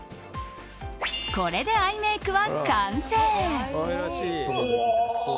これでアイメイクは完成。